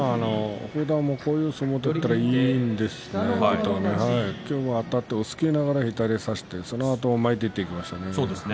ふだんもこういう相撲を取れたらいいんですけれどあたって押っつけながら左を差して、そのあと前に出ていきましたね。